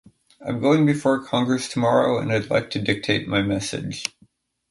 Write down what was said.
"I'm going before Congress tomorrow, and I'd like to dictate my message.